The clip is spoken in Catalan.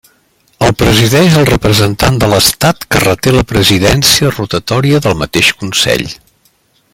El presideix el representant de l'Estat que reté la presidència rotatòria del mateix Consell.